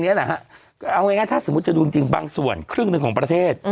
เอาอย่างงี้นะฮะเอาอย่างงี้ถ้าสมมุติจะดูจริงบางส่วนครึ่งหนึ่งของประเทศ